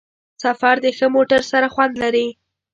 سفر د ښه موټر سره خوند لري.